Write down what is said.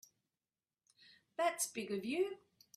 That's big of you.